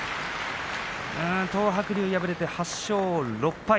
東白龍、敗れて８勝６敗。